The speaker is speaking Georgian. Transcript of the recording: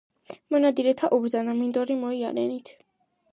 მონადირეთა უბრძანა: "მინდორნი მოიარენით,